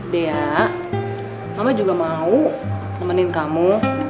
dea mama juga mau nemenin kamu